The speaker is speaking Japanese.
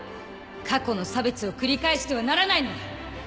過去の差別を繰り返してはならないのだ！